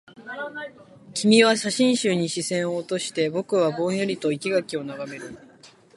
君は写真集に視線を落として、僕はぼんやりと生垣を眺める